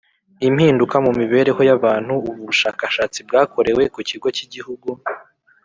Impinduka mu mibereho y abantu ubu bushakashatsi bwakorewe ku kigo cy igihugu